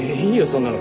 そんなの。